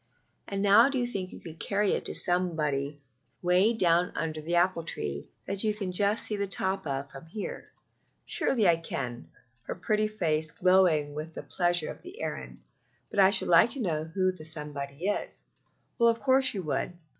"And now do you think you could carry it to somebody way down under the apple tree that you can just see the top of from here?" "Surely I could," her pretty face glowing with the pleasure of the errand, "but I should like to know who the somebody is." "Of course you would.